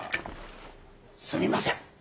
すみません！